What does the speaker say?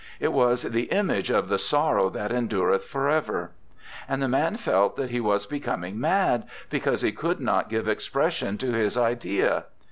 It was the image of The Sorrow that Endureth for Ever. And the man felt that he was becoming mad, because he could not give expression to his idea.